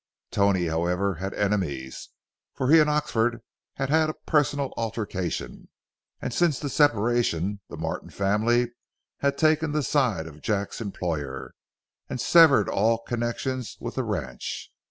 Tony, however, had enemies; for he and Oxenford had had a personal altercation, and since the separation the Martin family had taken the side of Jack's employer and severed all connections with the ranch.